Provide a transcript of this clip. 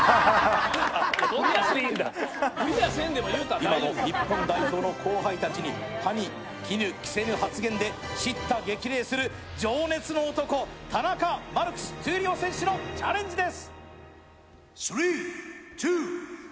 今も日本代表の後輩たちに歯に衣着せぬ叱咤激励で田中マルクス闘莉王選手のチャレンジです。